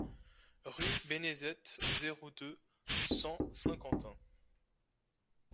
Rue Bénezet, zéro deux, cent Saint-Quentin